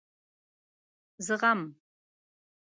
زغم ....